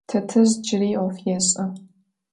Tetezj cıri 'of yêş'e.